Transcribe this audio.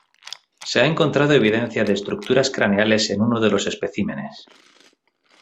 Se ha encontrado evidencia de estructuras craneales en uno de los especímenes.